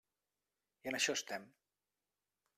I en això estem.